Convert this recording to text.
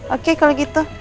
oke kalau gitu